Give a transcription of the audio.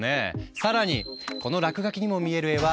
さらにこの落書きにも見える絵は６２億円。